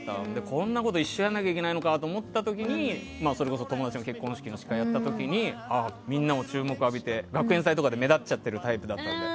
こんなこと一生やらなきゃいけないのかと思ったらそれこそ友達の結婚式の司会をやった時にああ、みんなの注目を浴びて学園祭とかで目立っているタイプだったので。